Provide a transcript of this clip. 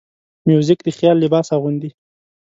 موزیک د خیال لباس اغوندي.